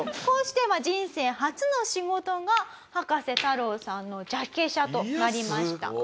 こうして人生初の仕事が葉加瀬太郎さんのジャケ写となりました。